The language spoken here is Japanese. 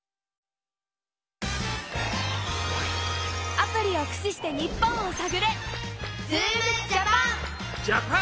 アプリをくししてニッポンをさぐれ！